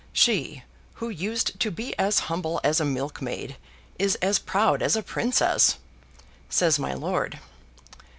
She, who used to be as humble as a milkmaid, is as proud as a princess," says my lord.